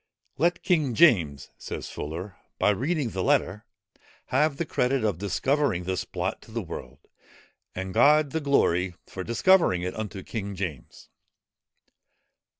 "Let King James," says Fuller, "by reading the letter, have the credit of discovering this plot to the world, and God the glory, for discovering it unto King James."